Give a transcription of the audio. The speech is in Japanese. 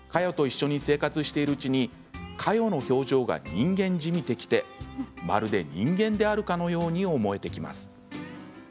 カヨと一緒に生活しているうちにカヨの表情が人間じみてきてまるで人間であるかのように思えてきます。